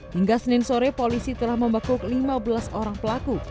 hingga senin sore polisi telah membekuk lima belas orang pelaku